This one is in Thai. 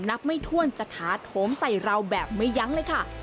ไม่ถ้วนจะถาโถมใส่เราแบบไม่ยั้งเลยค่ะ